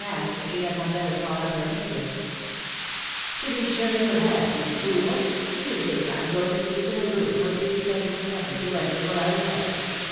^«k if she had not better call up her miBtress. 250 THE WIDOW BARNABY. " To be sure you had, you fool !.•.• Do you think 1 an going to sleep in a room where thieves have been suffered is enter while I was out